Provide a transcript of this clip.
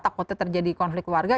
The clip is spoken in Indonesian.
takutnya terjadi konflik keluarga